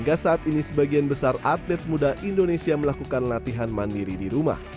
hingga saat ini sebagian besar atlet muda indonesia melakukan latihan mandiri di rumah